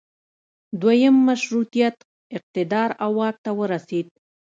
دویم مشروطیت اقتدار او واک ته ورسید.